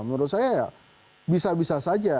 menurut saya ya bisa bisa saja